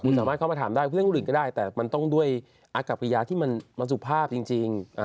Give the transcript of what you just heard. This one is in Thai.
คุณสามารถเข้ามาถามได้แต่มันต้องด้วยอากริยาที่มันสุภาพจริง